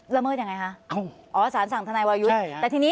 ระเมิดยังไงคะอ๋อสารสั่งทนายวายุทธ์